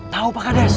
tahu pak kades